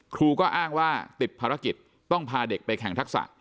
ครูก็อ้างว่าติดภารกิจต้องพาเด็กไปแข่งทักษะ